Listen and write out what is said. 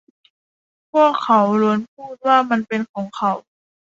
พวกเขาล้วนพูดว่ามันเป็นของเขา